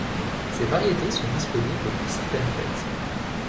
Ces variétés sont disponibles pour certaines fêtes.